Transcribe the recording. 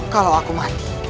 kalau aku mati